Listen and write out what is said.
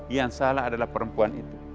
yang salah adalah perempuan itu